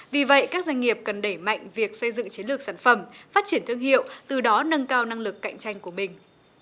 vì vậy các doanh nghiệp cần đẩy mạnh việc xây dựng chiến lược sản phẩm phát triển thương hiệu từ đó nâng cao năng lực cạnh tranh của mình